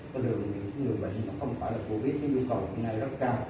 cho được những người bệnh không phải là covid với nhu cầu hiện nay rất cao